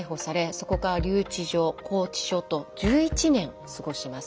そこから留置場拘置所と１１年過ごします。